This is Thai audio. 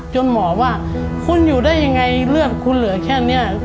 หมอว่าคุณอยู่ได้ยังไงเลือดคุณเหลือแค่นี้